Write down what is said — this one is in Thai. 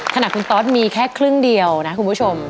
ขนาดคุณตอสมีแค่ครึ่งเดียวนะคุณผู้ชม